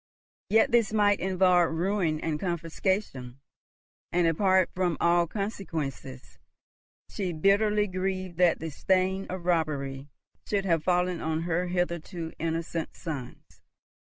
Yet this might involve ruin and confiscation; and, apart from all consequences, she bitterly grieved that the stain of robbery should have fallen on her hitherto innocent sons.